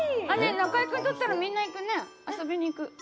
中居くんとったらみんな行くね遊びに行く。